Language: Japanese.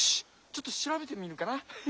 ちょっとしらべてみるかな。